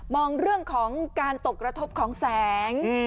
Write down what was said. เรื่องของการตกกระทบของแสง